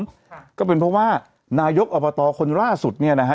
ค่ะก็เป็นเพราะว่านายกอบตคนล่าสุดเนี่ยนะฮะ